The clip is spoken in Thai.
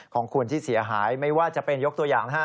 ของคุณที่เสียหายไม่ว่าจะเป็นยกตัวอย่างนะฮะ